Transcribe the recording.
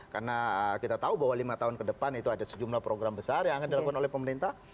karena kita tahu bahwa lima tahun ke depan itu ada sejumlah program besar yang akan dilakukan oleh pemerintah